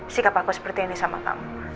sikap aku seperti ini sama kamu